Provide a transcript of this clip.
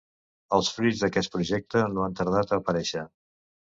Els fruits d'aquest projecte no han tardat a aparèixer.